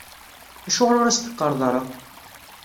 Acuɣer ur as-teqqareḍ ara?